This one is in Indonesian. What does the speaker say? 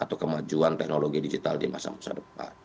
dan juga kemajuan teknologi digital di masa masa depan